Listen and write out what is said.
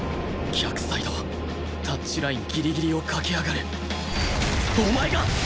逆サイドタッチラインギリギリを駆け上がるお前が！